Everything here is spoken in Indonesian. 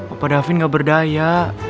opa davin gak berdaya